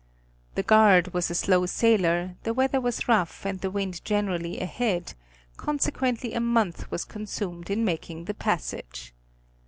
The Guard was a slow sailer, the weather was rough and the wind generally ahead, conse quently a month was consumed in making the passage.